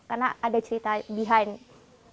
karena ada cerita behind dari gambaran mereka